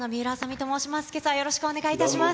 けさはよろしくお願いいたします。